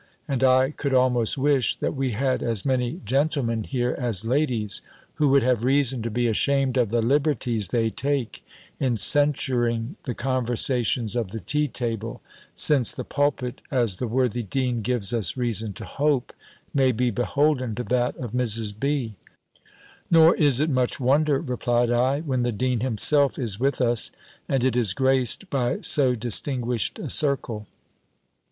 And I could almost wish, that we had as many gentlemen here as ladies, who would have reason to be ashamed of the liberties they take in censuring the conversations of the tea table; since the pulpit, as the worthy dean gives us reason to hope, may be beholden to that of Mrs. B." "Nor is it much wonder," replied I, "when the dean himself is with us, and it is graced by so distinguished a circle."